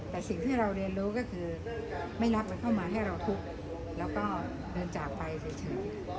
แต่สิ่งที่เราเรียนรู้ก็คือไม่รับมันเข้ามาให้เราทุกข์แล้วก็เดินจากไปเฉย